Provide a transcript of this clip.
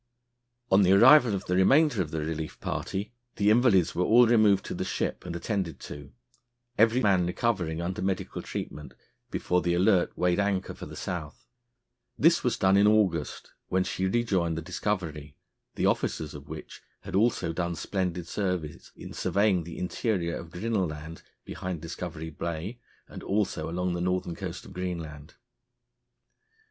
On the arrival of the remainder of the relief party, the invalids were all removed to the ship and attended to, every man recovering, under medical treatment, before the Alert weighed anchor for the South. This was done in August, when she rejoined the Discovery, the officers of which had also done splendid service in surveying the interior of Grinnel Land, behind Discovery Bay, and also along the northern coast of Greenland.